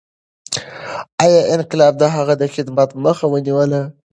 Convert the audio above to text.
ایا انقلاب د هغه د خدمت مخه ونیوله؟